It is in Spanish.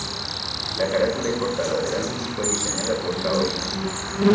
La carátula y portada del álbum fue diseñada por Kaori Maki.